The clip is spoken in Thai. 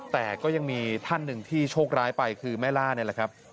แต่ก็ยังมีท่านหนึ่งที่โชคร้ายไปคือแม่ล่านี่แหละครับ